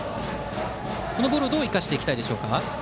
このボールをどう生かしていきたいですか？